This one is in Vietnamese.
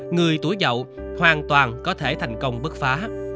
người tuổi giàu hoàn toàn có thể thành công bức phá